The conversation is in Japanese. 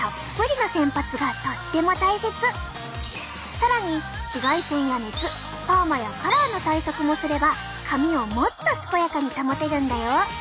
更に紫外線や熱パーマやカラーの対策もすれば髪をもっと健やかに保てるんだよ。